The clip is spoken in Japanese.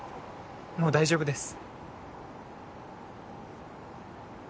もう大丈夫です。